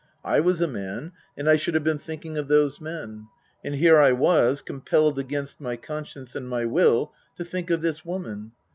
I was a man and I should have been thinking of those men ; and here I was, compelled against my conscience and my will to think of this woman.